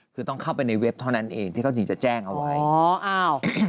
คือต้องเข้าไปในเว็บเท่านั้นเองที่เขาถึงจะแจ้งเอาไว้อ๋ออ้าว